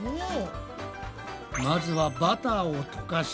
まずはバターを溶かしたら